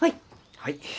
はい。